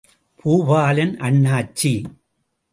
Boopalan Annachi!